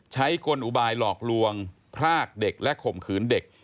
กลอุบายหลอกลวงพรากเด็กและข่มขืนเด็ก